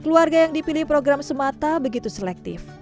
keluarga yang dipilih program semata begitu selektif